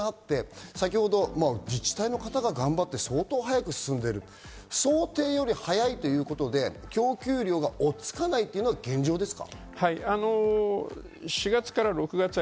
自治体の方が頑張って相当速く進んでいる、想定より早いということで供給量が追いつかないっていうのが現状ですか。